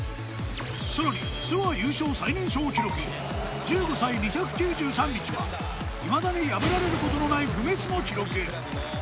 更にツアー優勝最年少記録１５歳２９３日はいまだに破られることのない不滅の記録。